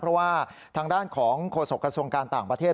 เพราะว่าทางด้านของโฆษกระทรวงการต่างประเทศ